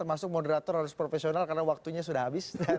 termasuk moderator harus profesional karena waktunya sudah habis